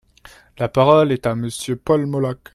La parole est à Monsieur Paul Molac.